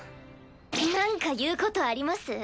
なんか言うことあります？